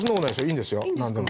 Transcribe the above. いいんですよ何でも。